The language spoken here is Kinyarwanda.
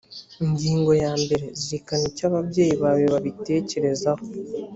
ingingo ya mbere zirikana icyo ababyeyi bawe babitekerezaho